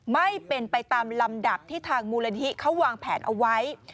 ไม่เป็นไปตามลำดับที่ทางมูลนิธิเขาวางแผนเอาไว้